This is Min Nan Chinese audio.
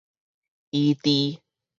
醫治